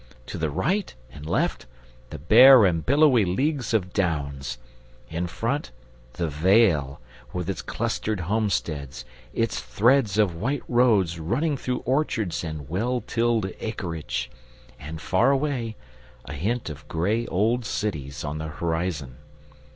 To the right and left, the bare and billowy leagues of Downs; in front, the vale, with its clustered homesteads, its threads of white roads running through orchards and well tilled acreage, and, far away, a hint of grey old cities on the horizon.